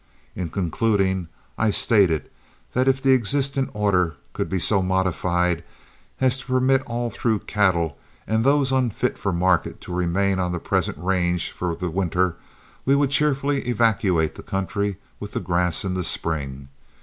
In concluding, I stated that if the existent order could be so modified as to permit all through cattle and those unfit for market to remain on their present range for the winter, we would cheerfully evacuate the country with the grass in the spring.